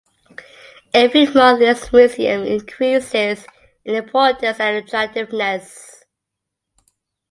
Every month this museum increases in importance and attractiveness.